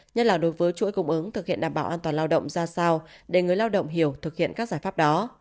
nhất là đối với chuỗi cung ứng thực hiện đảm bảo an toàn lao động ra sao để người lao động hiểu thực hiện các giải pháp đó